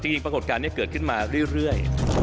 ปรากฏการณ์นี้เกิดขึ้นมาเรื่อย